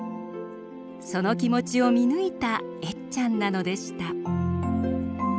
その気持ちを見抜いたエッちゃんなのでした。